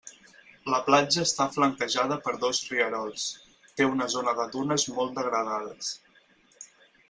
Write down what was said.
La platja està flanquejada per dos rierols, té una zona de dunes molt degradades.